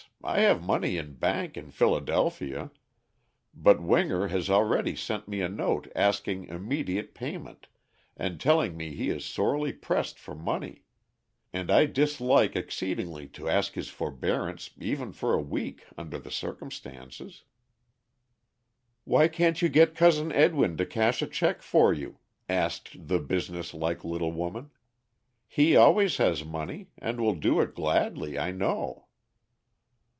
I have money in bank in Philadelphia, but Winger has already sent me a note asking immediate payment, and telling me he is sorely pressed for money; and I dislike exceedingly to ask his forbearance even for a week, under the circumstances." "Why can't you get Cousin Edwin to cash a check for you?" asked the business like little woman; "he always has money, and will do it gladly, I know."